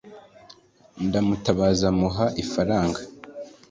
Ndamutabaza muha ifaranga.